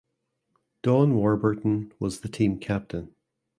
Don Warburton was the team captain.